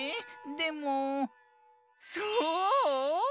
でもそう？